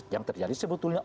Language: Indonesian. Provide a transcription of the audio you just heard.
yang terjadi sebetulnya